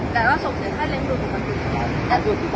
แต่ว่าส่งเสียค่าเลี้ยงดูผมก็ดู